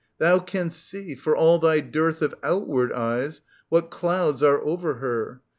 . thou canst see, for all thy dearth Of outward eyes, what clouds are over her.